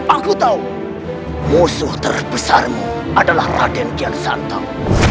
aku tahu musuh terbesarmu adalah raden kian santam